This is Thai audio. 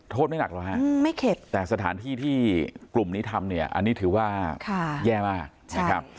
ไม่หนักหรอกฮะไม่เข็ดแต่สถานที่ที่กลุ่มนี้ทำเนี่ยอันนี้ถือว่าแย่มากนะครับ